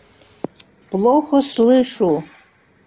Плохо слышу.